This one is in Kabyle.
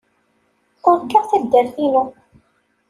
Urgaɣ taddart-inu.